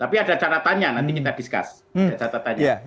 tapi ada catatannya nanti kita discuss